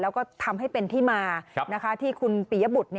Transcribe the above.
แล้วก็ทำให้เป็นที่มาที่คุณปียบุตร